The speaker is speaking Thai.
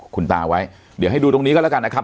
คุณตาไว้เดี๋ยวให้ดูตรงนี้ก็แล้วกันนะครับ